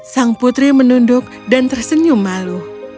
sang putri menunduk dan tersenyum malu